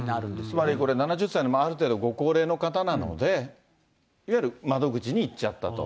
つまりこれ、７０歳のある程度ご高齢の方なので、いわゆる窓口に行っちゃったと。